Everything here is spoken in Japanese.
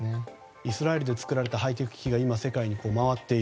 イスラエルで作られたハイテク機器が今、世界に回っている。